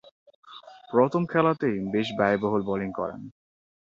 প্রথম খেলাতেই বেশ ব্যয়বহুল বোলিং করেন।